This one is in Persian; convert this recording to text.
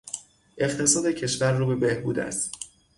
اقتصاد کشور رو به بهبود است.